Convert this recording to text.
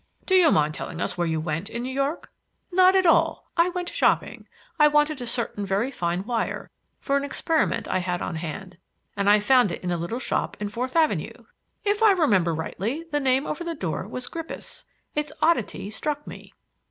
"Do you mind telling us where you went in New York?" "Not at all. I went shopping. I wanted a certain very fine wire, for an experiment I had on hand, and I found it in a little shop in Fourth Avenue. If I remember rightly, the name over the door was Grippus. Its oddity struck me."